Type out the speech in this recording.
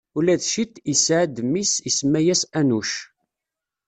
Ula d Cit isɛa-d mmi-s, isemma-yas Anuc.